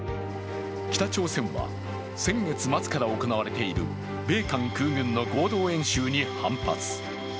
北朝鮮は先月末から行われている米韓空軍の合同演習に反発。